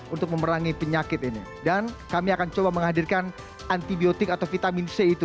untuk memerangi penyakit ini dan kami akan coba menghadirkan antibiotik atau vitamin c itu